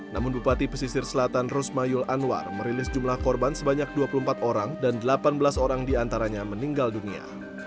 namun bupati pesisir selatan rusma yul anwar merilis jumlah korban sebanyak dua puluh empat orang dan delapan belas orang diantaranya meninggal dunia